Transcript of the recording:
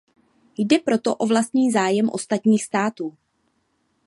Jde proto o vlastní zájem ostatních států.